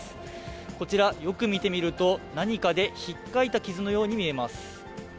こちら、よく見てみると、何かでひっかいた傷のように見えます。